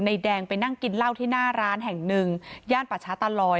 แดงไปนั่งกินเหล้าที่หน้าร้านแห่งหนึ่งย่านป่าช้าตาลอย